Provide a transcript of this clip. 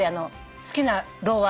好きな童話。